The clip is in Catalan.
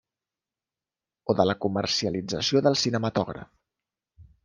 O de la comercialització del cinematògraf.